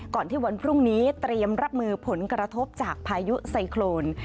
ที่วันพรุ่งนี้เตรียมรับมือผลกระทบจากพายุไซโครน